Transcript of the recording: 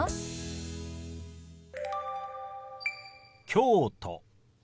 「京都」。